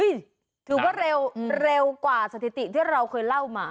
ถือว่าเร็วกว่าสถิติที่เราเคยเล่ามา